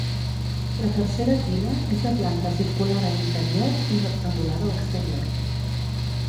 La tercera tina és de planta circular a l'interior i rectangular a l'exterior.